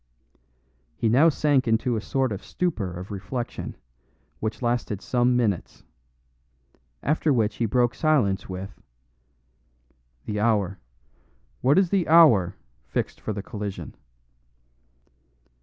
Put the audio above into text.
He now sank into a sort of stupor of reflection, which lasted some minutes; after which he broke silence with: "The hour what is the hour fixed for the collision?"